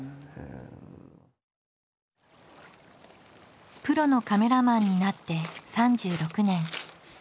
プロのカメラマンになって３６年。